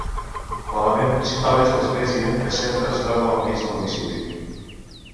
L'element principal és l'església, que sempre es troba al mig del municipi.